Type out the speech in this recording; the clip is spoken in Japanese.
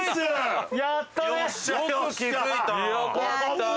やったね！